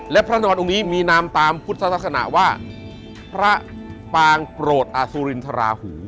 และพระนอนองค์นี้มีนามตามพุทธศาสนาว่าพระปางโปรดอสุรินทราหู